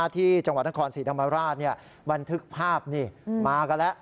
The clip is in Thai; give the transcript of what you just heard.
ที่จังหวัดนครศรีธรรมราชบันทึกภาพนี่มากันแล้ว